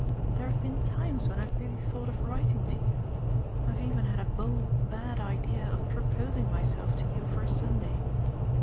There have been times when I've really thought of writing to you; I've even had a bold bad idea of proposing myself to you for a Sunday.